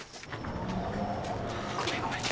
ごめんごめん。